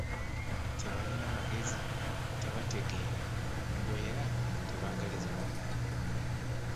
Tebalina magezi, tebategeera, mbu era tebaagaliza bannaabwe.